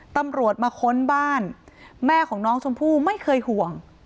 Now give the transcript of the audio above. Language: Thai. ตำรวจมาค้นบ้านแม่ของน้องชมพู่ไม่เคยห่วง